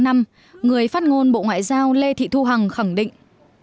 người phát ngôn bộ ngoại giao lê thị thu hằng khẳng định